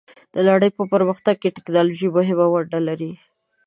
د نړۍ په پرمختګ کې ټیکنالوژي مهمه ونډه لري.